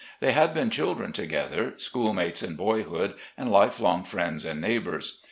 They had been children together, schoolmates in boyhood, and lifelong friends and neighbours.